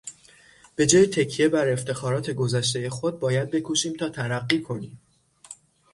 به جای تکیه بر افتخارات گذشتهی خود باید بکوشیم تا ترقی کنیم.